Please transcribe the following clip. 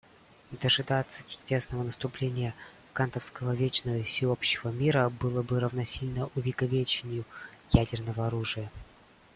Дожидаться чудесного наступления кантовского вечного и всеобщего мира было бы равносильно увековечению ядерного оружия.